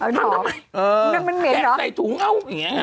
ทักใดถูงเอาอย่างนี้